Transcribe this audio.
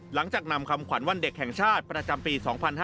หลังจากนำคำขวัญวันเด็กแห่งชาติประจำปี๒๕๕๙